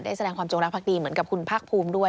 แสดงความจงรักภักดีเหมือนกับคุณภาคภูมิด้วย